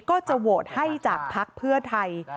ก็จะโบร์ดให้จากพักเพื่อไทย